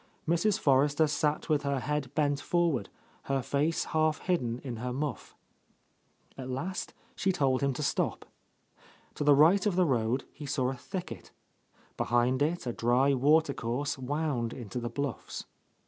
Mrs. Forrester sat with her head bent forward, her face half hidden in her muff. At — 6 .?~ A Lost Lady last she told him to stop. To the right of the road he saw a thicket. Behind it a dry water course wound into the blufFs.